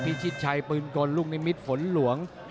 ชิดชัยปืนกลลูกนิมิตรฝนหลวง